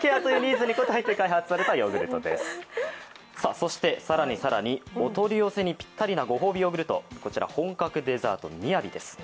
そしてお取り寄せにぴったりなご褒美ヨーグルト、こちら本格デザート雅です。